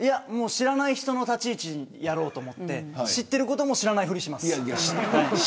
知らない人の立ち位置やろうと思って言ってることも知らないふりします。